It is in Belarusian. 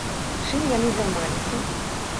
І чым яны займаліся?